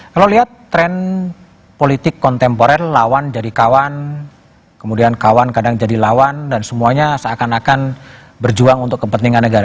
kalau lihat tren politik kontemporer lawan jadi kawan kemudian kawan kadang jadi lawan dan semuanya seakan akan berjuang untuk kepentingan negara